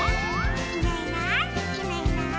「いないいないいないいない」